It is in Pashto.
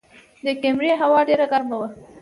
د کمرې هوا ډېره ګرمه وه.